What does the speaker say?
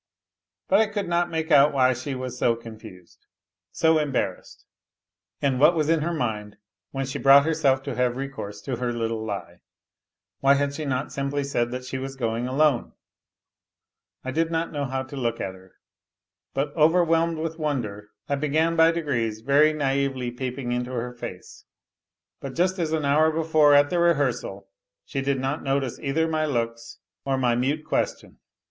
But I could not make out why she was so confused, s embarrassed, and what was in her mind when she brough herself to have recourse to her little lie ? Why had she not simpl said that she was going alone ? I did not know how to loo at her, but overwhelmed with wonder I began by degrees ver naively peeping into her face ; but just as an hour before a the rehearsal she did not notice either my looks or my mut question.